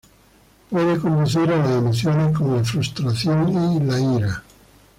Puede conducir a las emociones como la frustración y la ira.